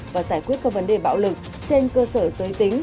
và giải quyết các vấn đề bạo lực trên cơ sở giới tính